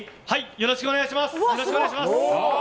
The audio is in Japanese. よろしくお願いします！